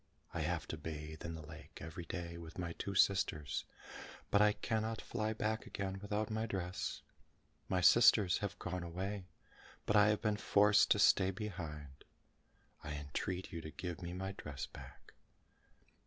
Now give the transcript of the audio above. I have to bathe in the lake every day with my two sisters, but I cannot fly back again without my dress. My sisters have gone away, but I have been forced to stay behind. I entreat you to give me my dress back."